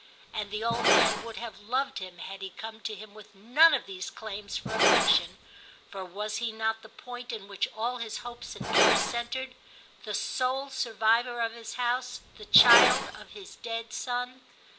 And the old man would have loved him had he come to him with none of these claims for affection, for was he not the point in which all his hopes and cares centred, the sole survivor of his house, the child of his dead son